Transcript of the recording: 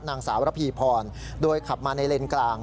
นางสาวระพีพรโดยขับมาในเลนกลาง